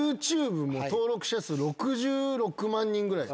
ＹｏｕＴｕｂｅも登録者数６６万人ぐらい。